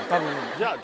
じゃあ。